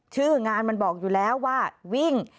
ชื่องานมันบอกอยู่แล้วว่าวิ่ง